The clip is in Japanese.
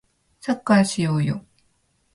サッカーしようよ